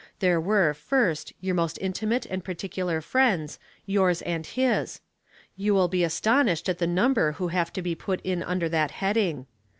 There are, first, your most intimate and particular friends, yours and his ; you will be astonished at the number who have to be put in under that heading.